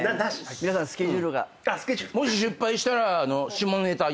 皆さんスケジュールが。